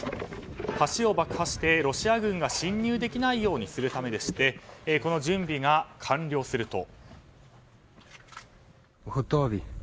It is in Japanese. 橋を爆破してロシア軍が侵入できないようにするためでこの準備が完了すると。